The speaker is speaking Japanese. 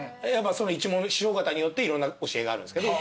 その一門師匠方によっていろんな教えがあるんですけど。